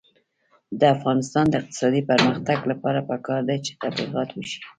د افغانستان د اقتصادي پرمختګ لپاره پکار ده چې تبلیغات وشي.